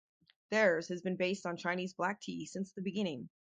Theirs has been based on Chinese black tea since the beginning.